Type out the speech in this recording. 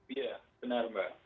iya benar mbak